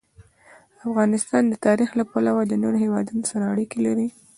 افغانستان د تاریخ له پلوه له نورو هېوادونو سره اړیکې لري.